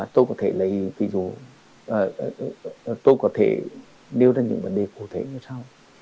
tôi có thể lấy ví dụ tôi có thể nêu ra những vấn đề cụ thể như sau